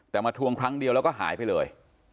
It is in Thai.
แต่มาทวงครั้งเดียวแล้วก็หายไปเลย